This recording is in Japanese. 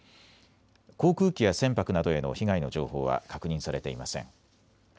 航空機や船舶などへの被害の情報は確認されていません。